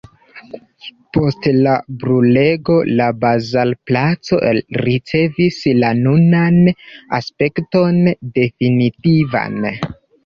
Post la brulego la bazarplaco ricevis la nunan aspekton definitivan.